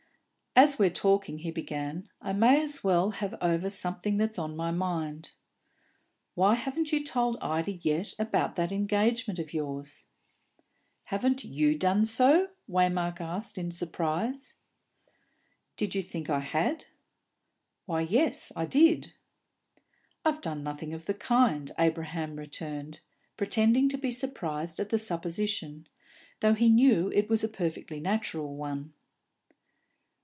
"As we're talking," he began, "I may as well have over something that's on my mind. Why haven't you told Ida yet about that engagement of yours?" "Haven't you done so?" Waymark asked, in surprise. "Did you think I had?" "Why, yes, I did." "I've done nothing of the kind," Abraham returned, pretending to be surprised at the supposition, though he knew it was a perfectly natural one.